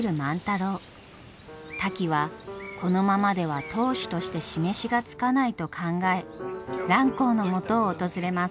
タキはこのままでは当主として示しがつかないと考え蘭光のもとを訪れます。